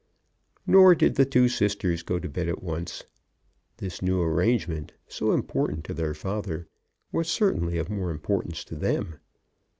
Nor did the two sisters go to bed at once. This new arrangement, so important to their father, was certainly of more importance to them.